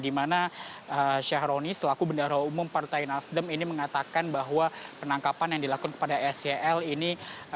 di mana syahrul yassin limpo selaku bendara umum partai nasdem ini mengatakan bahwa penangkapan yang dilakukan kepada scl ini